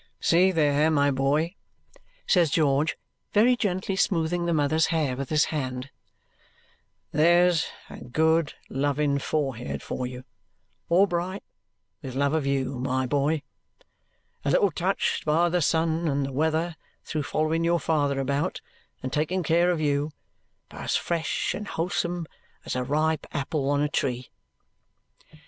"See there, my boy," says George, very gently smoothing the mother's hair with his hand, "there's a good loving forehead for you! All bright with love of you, my boy. A little touched by the sun and the weather through following your father about and taking care of you, but as fresh and wholesome as a ripe apple on a tree."